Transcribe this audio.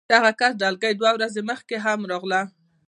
د هغه کس ډلګۍ دوه ورځې مخکې هم راغله